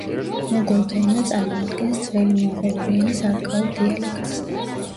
მოგოლთა ენა წარმოადგენს ძველი მონღოლური ენის არქაულ დიალექტს.